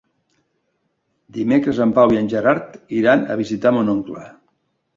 Dimecres en Pau i en Gerard iran a visitar mon oncle.